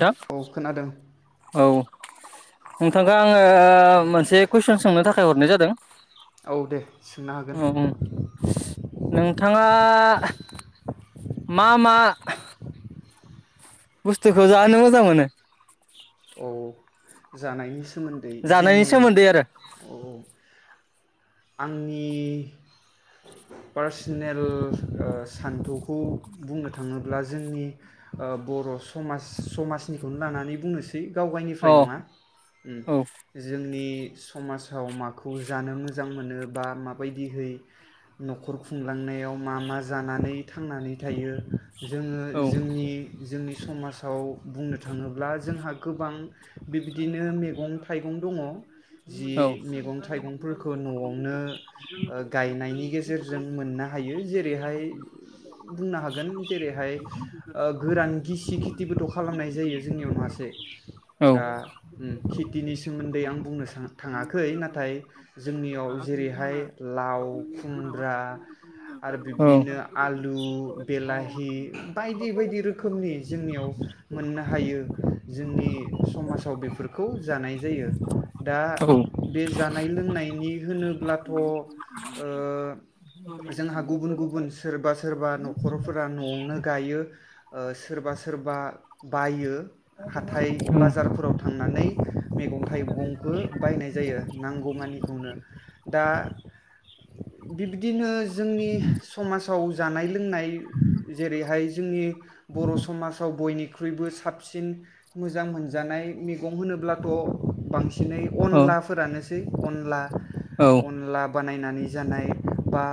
नोंथां औ खोनादों औ। नोंथाङा [unintelligible] मोनसे कुइसन सोंनो थाखाय हरनाय जादों औ दे सोंनो हागोन उम उम नोंथाङा मा मा बुस्थुखौ जानो मोजां मोनो? औ जानायनि सोमोन्दै जानायनि जोंनि सोमोन्दै आरो औ आंनि पार्सनेल ओ सान्थौखौ बुंनो थाङोब्ला जोंनि बर' समाज समाजनिखौनो लानानै बुंनो सो दि गाव अ गायनिफ्राय नङा उम औ जों। नि समाजाव माखौ जानो मोजां मोनो बा माबायदिहै नखर खुंलांनायाव मा मा जानानै थांनानै थायो। जोङो औ जोंनि जोंनि समाजाव बुंनो थाङोब्ला जोंहा गोबां। बिबिदिनो मेगं थाइगं दङ जि औ मेगं थाइगंफोरखौ न'आवनो ओ गायनायनि गेजेरजों मोननो हायो जेरैहाय बुंनो हागोन जेरैहाय ओ गोरान गिसि। खिथिबोथ' खालामनाय जायो जोंनियाव मासे। दा औ कित। दिनि सोमोन्दै आं बुंनो थाङाखै नाथाय जोंनियाव जेरैहाय लाव खुमब्रा। आरो औ बिब्दिनो आलु। आलु बेलाहि बायदि बायदि रोखोमनि जोंनियाव मोननो हायो जोंनि। समाजाव बेफोरखौ जानाय जायो दा बे जानाय लोंनायनि होनोब्लाथ ओ जोंहा गुबुन गुबुन सोरबा सोरबा नखरफोरा नआवनो गायो ओ सोरबा सोरबा बायो। हाथाय औ। बाजारफोराव थांनानै मैगं थाइगंखौ बायनाय जायो नांगौमानिखौनो दा बिबदिनो जोंनि समाजाव जानायनि रोंनाय जेरैहाय जोंनि बर' समाजाव बयनिबो निख्रुइबो साबसिन मोजां मोन। जानाय मेगं होनोब्लाथ बांसिन नै अनलाफोरानोसै अनला औ औ अनला बानायनानै जानाय बा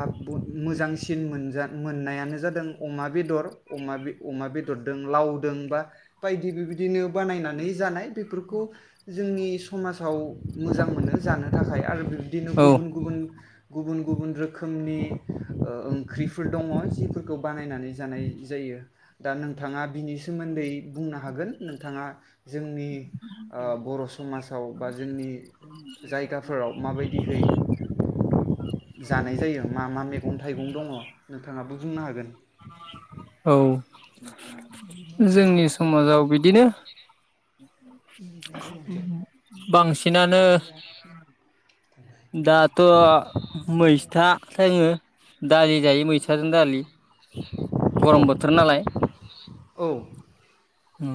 मोजांसिन मोन मोननायानो जादों अमा बेदर अमा बेदरदों लावदों बा बायदि बेबायदिनो बानायनानै। जानाय। बेफोरखौ जोंनि समाजाव मोजां मोनो जानो थाखाय आरो बिदिनो गुबुन गुबुन गुबुन गुबुन रोखोमनि ओ ओंख्रिफोर दङ। फोरखौ बानायनानै जानाय जायो दा नोंथाङा बिनि सो सोमोन्दै बुंनो हागोन नोंथाङा जोंनि ओ बर' समाजाव बा जोंनि जायगाफोराव माबायदिहै जानाय जायो मा मा मैगं थाइगं दङ नोंथाङाबो बुंनो हागोन औ जोंनि समाजाव बिदिनो [unintelligible] बांसिनानो दाथ मैसथा थोङो दाय जायो मैसाजों दालि औ गरम बोथोर नालाय औ उम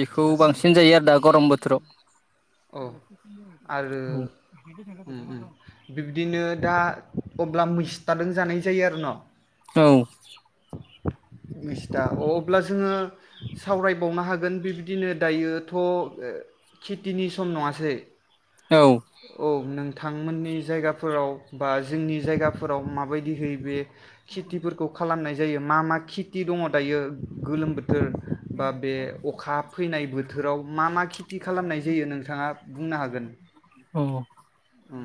बेखौ बांसिन जायो आरो दा गरम ओ बोथोराव उम उम बिब्दिनो दा अब्ला मैस्थादों जानाय जायो आरो न औ मिस्था अ अब्ला जोङो सावरायबावनो हागोन बेब बिदिनो दायोथ खितिनि सम नङासै? औ औ नोंथांमोननि जायगाफोराव बा जोंनि जायगाफोराव माबायदिहै बे खेथिफोरखौ खालामनाय जायो मा मा खेथि दङ दायो गोलोम बोथो फोर बा बे अखा बोथोराव मा मा खेथि खालामनाय जायो नोंथाङा बुंनो हागोन औ उम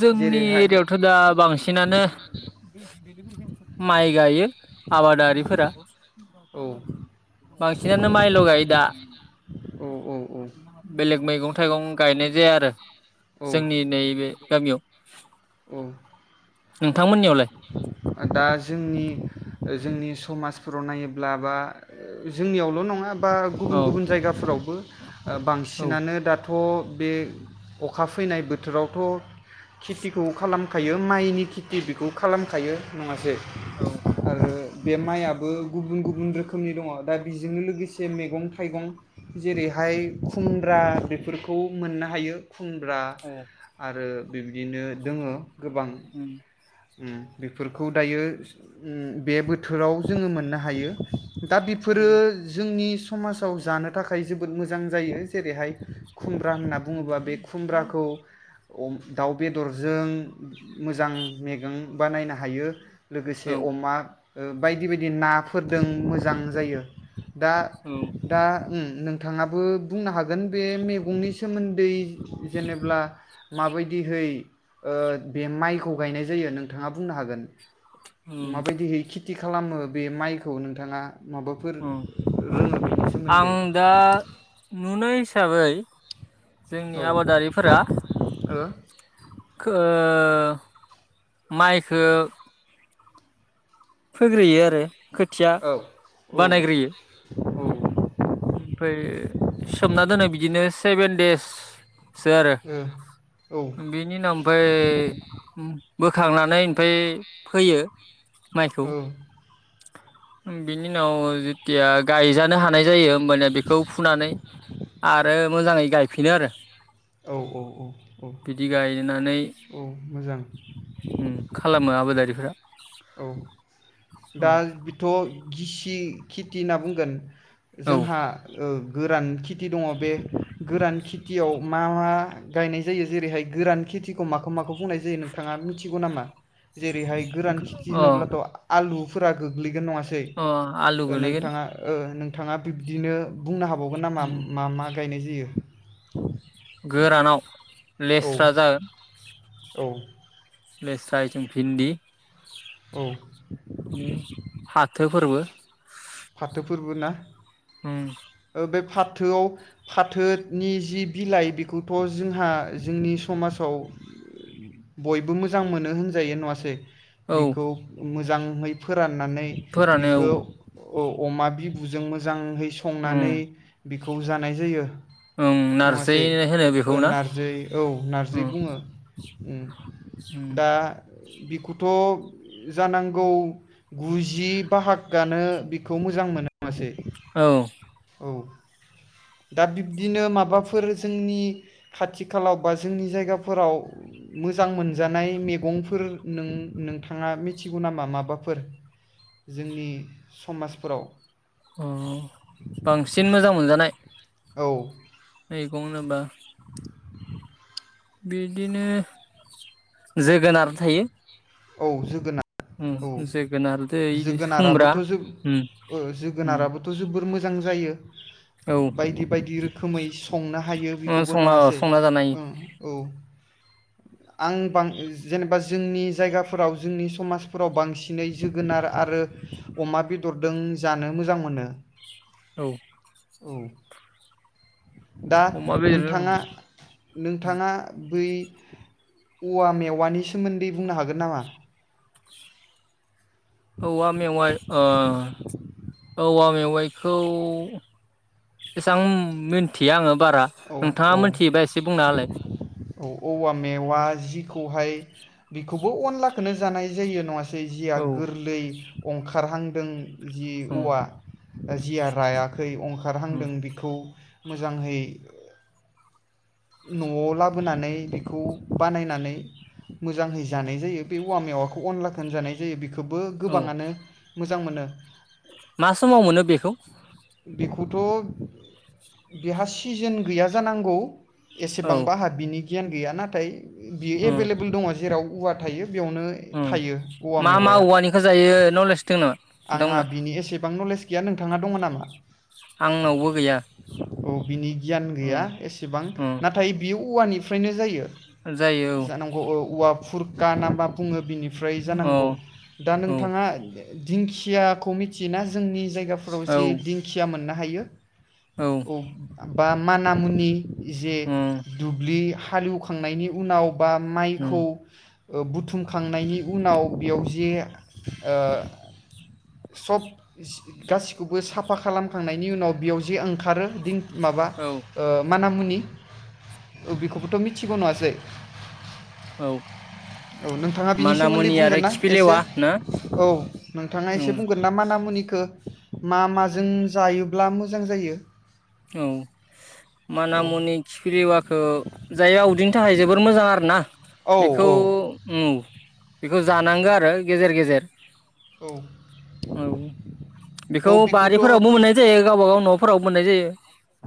जोंनि जेरैहाय एरिायावथ दा बांसिनानो माइ गायो आबादारिफोरा औ बांसिनानो माइल गायो दा औ औ औ बेलेग मैगं थाइगं गायनाय जाया आरो जोंनि नैबे दा बेयाव उम दा जोंनि जोंनि समाजफोराव नायोब्ला बा जोंनियावल नङा बा गुबुन औ गुबुन जायगाफोरावबो औ बांसिनानो दाथ थ‌ बे अखा फैनाय बोथोरावथ खेथिखौ खालामखायो माइनि खेथि खौ खालामखायो नङासै औ आरो बे माइयाबो गुबुन गुबुन रोखोमनि दङ दा बेजोंनो लोगोसे मेगं थाइगं जेरैहाय खुमब्रा बेफोरखौ मोननो हायो खुमब्रा आरो बिबदिनो दोङो गोबां उम उम बेफोरखौ उम दायो उम बे बोथोराव जोङो मोननो हायो। दा बेफोरो जोंनि समाजाव जानो थाखाय जोबोद मोजां जायो जेरैहाय खुम्ब्रा होनना बुङोबा बे खुमब्राखौ खौ दाउ बेदरजों मोजां थायगं बानायनो हायो। लोगोसे औ अमा बायदि बायदि नाफोरजों मोजां जायो। दा औ दा उम नोंथाङाबो बुंनो हागोन बे मेगंनि सोमोन्दै जेनेब्ला माबायदिहै ओ बे माइखौ गायनाय जायो नोंथाङा बुंनो हागोन। उम माबायदिहै खि खेथि खालामो बे माइखौ नोंथाङा माबाफोर उम रोङो बेनि सोमोन्दै आं दा नुनाय हिसाबै जोंनि औ आबादारिफोरा [inaudible] खो माइखो फोग्रोयो आरो खोथिया औ औ बानायग्रोयो । औ ओ ओमफ्राय सोमना दोनो बिदिनो सेभेन देस सो आरो औ औ बेनि उनाव ओमफाय होखांनानै ओमफाय फैयो। औ बिनि उनाव जेथिया गायजानो हानाय जायो होमबानिया बेखौ फुनानै आरो मोजाङै गायफिनो आरो। औ औ औ बिदि गायनानै औ मोजां उम खालामो आबादारिफोरा औ दा बिथ गिसि खेथि होनना बुंगोन। औ जोंहा ओ गोरान खिथि दङ बे गोरान खिथियाव मा मा गायनाय जायो जेरैहाय गोरान खेथिखौ माखौ माखौ बुंनाय जायो नोंथाङा मिथिगौ नामा? जेरैहाय गोरान खिथि अ होनोब्लाथ आ आलुफोरा गोग्लैगोन नङासै सै अ आलु ओ गोलैगोन नोंथाङा ओ नों थाङा बिब्दिनो बुंनो हाबाव हाबावगोन नामा उम मा मा गायनाय जायो गोरानाव औ लेस्रा जागोन औ लेस्रा इथिं भिन्दि औ फाथो फोरबो फाथोफोरबो ना ओम ओ बे फाथोआव फाथोनि जि बिलाइ बेखौथ जोंहा जोंनि समाजाव बयबो मोजां मोनो होनजायो नङासै औ बेखौ मोजां मोजांहै फोरान नानै फोरानो औ बिखौ औ अमा बिबुजों मोजांहै संनानै उम खौ जानाय जायो ओं नारजि नङासै होनो ओ बेखौ ना नारजै औ नारजै उम बुङो ओम उम दा बिखौथ जानांगौ गुजि बाहागानो बिखौ मोजां मोनो नङासै औ औ दा बिब्दिनो माबाफोर जोंनि खाथि खालाव बा जोंनि जायगाफोराव मोजां मोनजानाय मैगंफोर नों नोंथाङा मिथिगौ नामा माबाफोर जोंनि समाजफोराव अ बांसिन मोजां मोनजानाय औ मैगं होनोबा [inaudible] बिदिनो जोगोनार थायो औ जोगोनार औ ओं जोगोनार इदो खुमब्रा जोगोनाराबोथ' जो ओं ओ ओं जोगोनाराबोथ' जोबोर मोजां जायो बायदि बायदि रोख खोमै संनो हायो ओ बेखौबो संना नङासै संना जानो - - ओ--औ आं बां जेनेबा जोंनि जायगा फोराव जोंनि समाजफोराव बांसिनै जोगोनार आरो अमा बेदरदों जानो मोजां मोनो औ औ दा अमा बेदरजों नोंथाङा नोंथाङा बै औवा मेवानि सोमोन्दै बुंनो हागोन नामा औवा मेवाइ अ औवा मेवाइखौ एसां मोन्थिया आङो बारा औ औ नोंथाङा मोनथियोबा एसे बुंना होलाय औ औवा मेवा जिखौहाय बेखौबो अनलाखौनो जानाय जायो नङा जै जिया औ गोरलै अंखारहांदों जि उम औवा जिया राया खै उम अंखारहांदों बेखौ मोजाङै नआव लाबोनानै बेखौ बानायनानै मोजाङै जानाय जायो बे औवा मेवाखौ अनलाखौन जानाय जायो बेखौ खौबो औ गोबाङानो म मोजां मोनो मा समाव मोनो बेखौ बेखौथ बेहा सिजोन गैया जानांगौ औ एसेबांबा आंहा बिनि गियान गैया नाथाय बियो उम एभेलेबोल दङ जेराव औवा थायो बेयावनो उम थायो औवा मा मा मेवाया औवानिखौ जायो नलेज दं नामा आंहा नोंथांमोना बिनि एसेबां नलेज गैया नोंथाहा दङ नामा? आंनावबो गैया औ बिनि गियान गैया उम एसेबां उम नाथाय बियो औवानि फ्रायनो जायो जायो जानांगौ औ औवा फुर गा नामा बुङो बिनि फ्राय औ जानांगौ दा औ नोंथाङा । दिंखियाखौ मिथियोना जोंनि जायग गाफोराव औ जि दिंखिया मोना हायो औ। बा मानामुनि जे उम दुब्लि हा हालेवखांनायनि उनाव बाम उम माइखौ ओ बुथुमखांनायनि उनाव बेयाव जे ओ सब सि गासिखौबो साफा खालामखांनायनि उनाव बेयाव जे ओंखारो दिन माबा औ ओ मा नाम होनो दि औ बेखौबोथ मिथिगौ नङासै? औ औ नोंथाङा बिनि सोमोन्दै मानामुनि बुंगोन आरो ना एसे खिफिलेवा ना औ नोंथाङा एसे उम बुंगोन ना मानामुनि ओ मा माजों जायोब्ला मोजां जायो औ। औ मानामुनि खिफिलिवाखौ जाययाव उदैनि थाखाय जोबोर मोजां आरो ना आ औ बेखौ औ उम बेखौ जानांगो आरो गेजेर गेजेर औ औ औ बेखौ बेखौथ' बारिफोरावबो मोन्नाय जायो गावबा गाव न'फोराव मोन्नाय जायो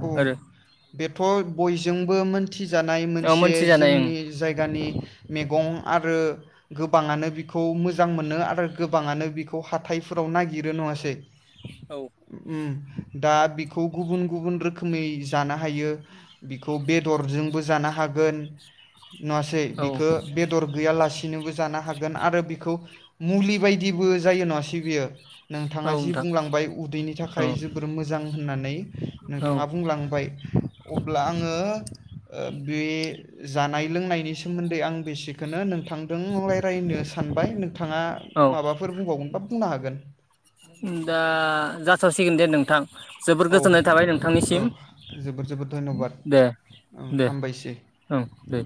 उम आरो बेथ' बयजोंबो मोन्थि जानाय औ मोनसे मोनथिजानाय ओं जोंनि जायगानि मेगं आरो गो बाङानो बिखौ मोजां मोनो आरो गोबाङानो बिखौ हाथायफोराव नागिरो नङासै औ उम। दा बिखौ गुबुन गुबुन रोखोमै जानो हायो बिखौ बेदरजोंबो जानो हागोन नुवासे औ बिखो बेदर गैयालासे इनोबो जानो हागोन आरो बिखौ मुलि बायदिबो जायो नङासै बियो औ नोंथाङा जि नोंथां बुंलांबाय उदैनि थाखाय औ जोबोर मोजां होन्नानै औ नोंथाङा बुंलांबाय अब्ला आङो बे जानाय लोंनायनि सोमोन्दै आं बेसिक खोनो नोंथांदों अरायरायनो सानबाय नोंथाङा औ माबाफोर बुंबावगोनबा बुंनो हागोन। दा जाथ'सिगोन दे नोंथां, जोबोर औ गोजोननाय थाबाय औ नोंथांनिसिम जोबोर जोबोर धन्यबाद दे दे हामबायसै ओं दे